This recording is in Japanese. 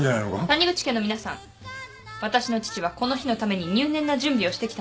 谷口家の皆さん私の父はこの日のために入念な準備をしてきたんです。